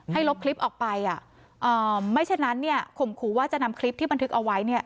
ให้ลบคลิปออกไปไม่เช่นนั้นขุมขู่ว่าจะนำคลิปที่มันทึกเอาไว้